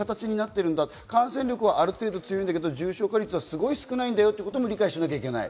今こういう形になっている、感染力はある程度強いけど重症化率は少ないということも理解しなきゃいけない。